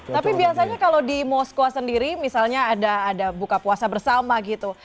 tapi biasanya kalau di moskwa sendiri misalnya ada buka puasa bersama gitu